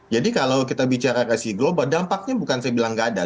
jadi kalau kita bicara resi global dampaknya bukan saya bilang nggak ada